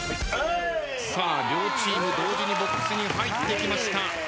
さあ両チーム同時にボックスに入ってきました。